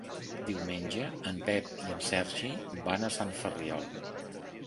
Diumenge en Pep i en Sergi van a Sant Ferriol.